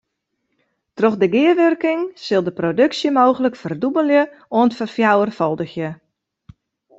Troch de gearwurking sil de produksje mooglik ferdûbelje oant ferfjouwerfâldigje.